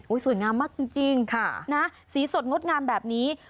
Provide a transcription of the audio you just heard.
อุ๊ยสวยงามมากจริงจริงค่ะนะสีสดงดงามแบบนี้